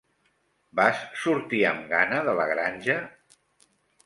Vas sortir amb gana de La granja?